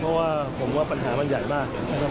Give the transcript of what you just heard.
เพราะว่าผมว่าปัญหามันใหญ่มากนะครับ